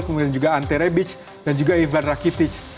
kemudian juga ante rebic dan juga ivan rakitic